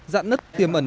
giãn nứt tiềm